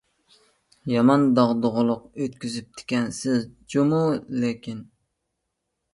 يامان داغدۇغىلىق ئۆتكۈزۈپتىكەنسىز جۇمۇ لېكىن.